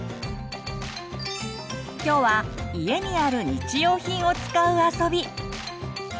今日は家にある日用品を使う遊び。